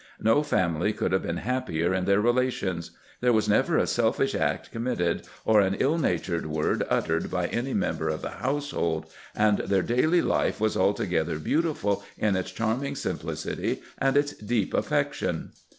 No family could have been happier in their relations ; there was never a selfish act committed or an ill natured word uttered by any mem ber of the household, and their daily life was altogether beautiful in its charming simplicity and its deep affec tion.